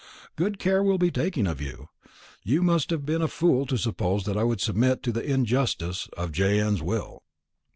Good care will be taken of you. You must have been a fool to suppose that I would submit to the injustice of J.N.'s will.'